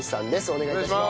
お願い致します。